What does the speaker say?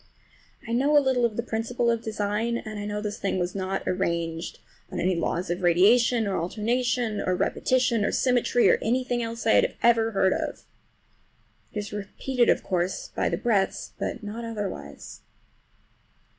I know a little of the principle of design, and I know this thing was not arranged on any laws of radiation, or alternation, or repetition, or symmetry, or anything else that I ever heard of. It is repeated, of course, by the breadths, but not otherwise.